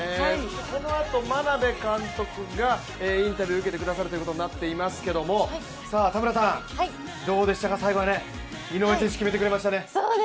このあと眞鍋監督がインタビュー受けてくださることになっていますけれども、田村さん、どうでしたか、最後は井上選手決めてくれましたね。